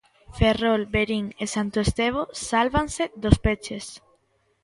Ferrol, Verín e Santo Estevo sálvanse dos peches.